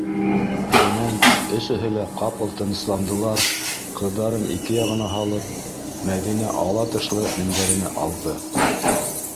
- Шунан өсөһө лә ҡапыл тынысландылар, ҡыҙҙарын ике яғына һалып, Мәҙинә ала тышлы мендәренә ауҙы.